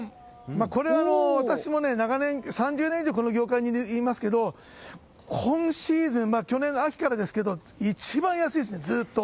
これは私も長年、３０年以上この業界にいますが今シーズン、去年の秋からですが一番安いですね、ずっと。